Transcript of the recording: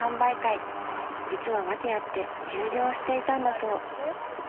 実は訳あって休業していたんだそう。